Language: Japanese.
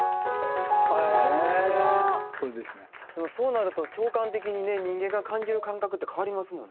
そうなると聴感的にね人間が感じる感覚って変わりますもんね。